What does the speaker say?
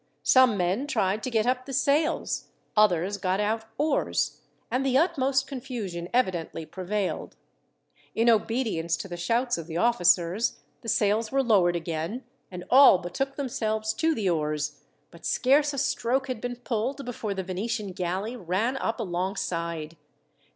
Some men tried to get up the sails, others got out oars, and the utmost confusion evidently prevailed. In obedience to the shouts of the officers, the sails were lowered again, and all betook themselves to the oars; but scarce a stroke had been pulled before the Venetian galley ran up alongside.